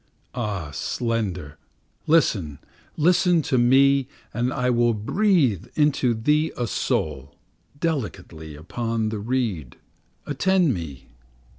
Ah, slender, Listen! Listen to me, and I will breathe into thee a soul. Delicately upon the reed, attend me!